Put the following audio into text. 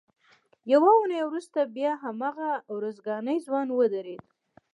یوه اونۍ وروسته بیا هماغه ارزګانی ځوان ودرېد.